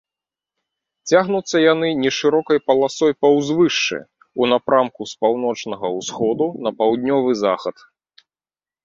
Цягнуцца яны нешырокай паласой па ўзвышшы ў напрамку з паўночнага ўсходу на паўднёвы захад.